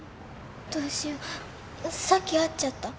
どうしようさっき会っちゃった。